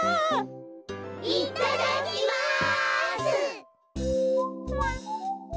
いただきます！